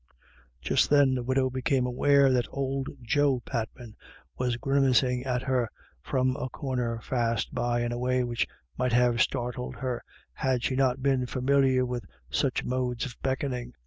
Just then the widow became aware that old Joe Patman was grimacing at her from a corner fast by in a way which might have startled her had she not been familiar with such modes of beckon ing.